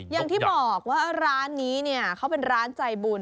อย่างที่บอกว่าร้านนี้เนี่ยเขาเป็นร้านใจบุญ